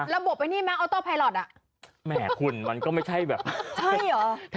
ระบบแบบนี้มั้ยออโต้ไพรอท